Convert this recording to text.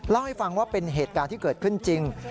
เล่าให้ฟังว่าเป็นเหตุการณ์ที่เกิดขึ้นจริง